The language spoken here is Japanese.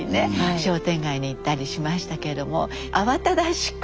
商店街に行ったりしましたけども慌ただしく。